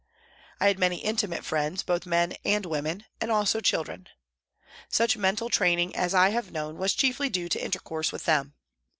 I had many intimate friends, both men and women, and also children. Such mental train ing as I have known was chiefly due to intercourse with them.